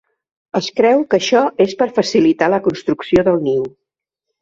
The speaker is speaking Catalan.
Es creu que això és per facilitar la construcció del niu.